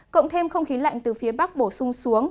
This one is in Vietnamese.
cộng thêm không khí lạnh từ phía bắc bổ sung xuống